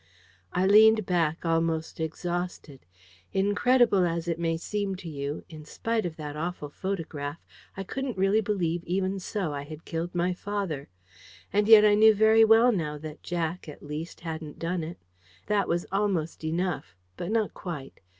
I leaned back, almost exhausted. Incredible as it may seem to you, in spite of that awful photograph, I couldn't really believe even so I had killed my father. And yet I knew very well now that Jack, at least, hadn't done it. That was almost enough. But not quite.